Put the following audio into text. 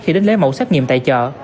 khi đến lấy mẫu xét nghiệm tại chợ